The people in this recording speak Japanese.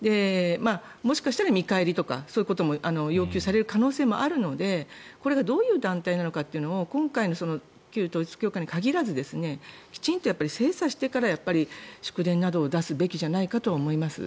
もしかしたら見返りとかそういうことも要求される可能性もあるのでこれがどういう団体なのかというのを今回の旧統一教会に限らずきちんと精査してから祝電などを出すべきじゃないかと思います。